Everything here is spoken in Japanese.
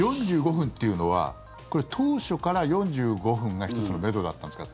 ４５分というのは当初から４５分が１つのめどだったんですか？